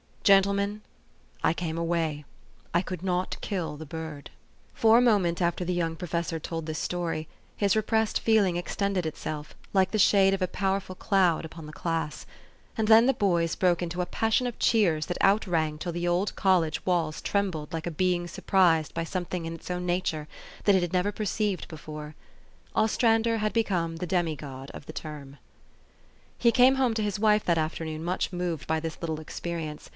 Gentlemen, I came away I could not kill the bird." THE STORY OP AVIS. 251 For a moment after the young professor told this story, his repressed feeling extended itself, like the shade of a powerful cloud, upon the class ; and then the boys broke into a passion of cheers that out rang till the old college walls trembled like a being surprised by something in its own nature that it had never perceived before. Ostrander had be come the demi god of the term. He came home to his wife, that afternoon, much moved by this little experience.